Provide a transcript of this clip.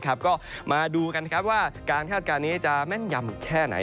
ก็มาดูกันว่าการคาดการณ์นี้จะแม่นยำแค่ไหน